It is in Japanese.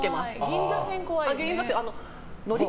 銀座線、怖いよね。